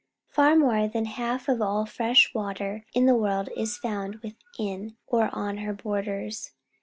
Far more than halt of all the fresh water in the world is found within or on her borders.